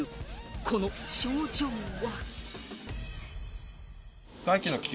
この症状は？